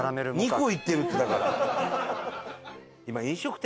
２個いってるってだから。